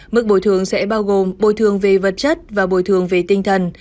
mức bồi thường sẽ bao gồm bồi thường về vật chất và bồi thường về tinh thần